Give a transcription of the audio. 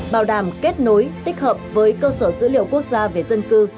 bảo đảm kết nối tích hợp với cơ sở dữ liệu quốc gia về dân cư